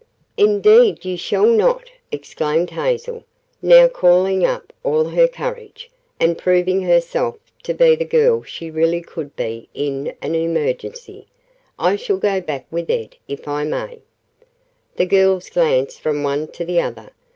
"Indeed you shall not!" exclaimed Hazel, now calling up all her courage, and proving herself to be the girl she really could be in an emergency. "I shall go back with Ed, if I may." The girls glanced from one to the other.